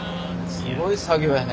すごい作業やね。